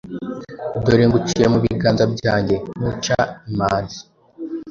Dore nguciye mu biganza byanjye nk’uca imanzi,